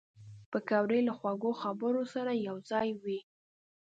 پکورې له خوږو خبرو سره یوځای وي